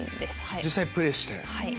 実際プレーして。